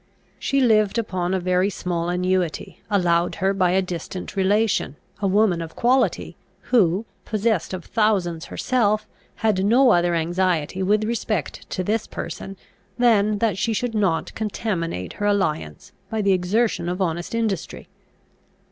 She lived upon a very small annuity, allowed her by a distant relation, a woman of quality, who, possessed of thousands herself, had no other anxiety with respect to this person than that she should not contaminate her alliance by the exertion of honest industry.